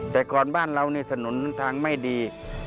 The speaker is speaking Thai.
แต่ก่อนบ้านเรานี่ถนนทางไม่ดี